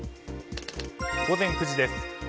午前９時です。